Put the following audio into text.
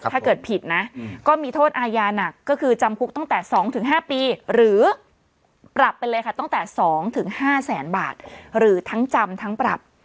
ถ้าเกิดผิดนะก็มีโทษอาญาหนักก็คือจำคุกตั้งแต่๒๕ปีหรือปรับไปเลยค่ะตั้งแต่๒๕แสนบาทหรือทั้งจำทั้งปรับ